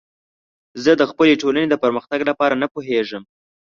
زه د خپلې ټولنې د پرمختګ لپاره نه پوهیږم.